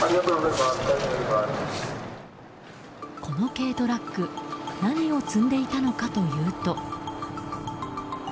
この軽トラック何を積んでいたのかというと。